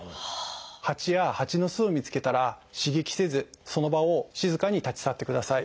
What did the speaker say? ハチやハチの巣を見つけたら刺激せずその場を静かに立ち去ってください。